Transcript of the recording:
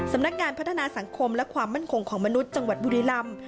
สำนักงานพัฒนาสังคมและความมั่นคงของมนุษย์จังหวัดบุรีลำ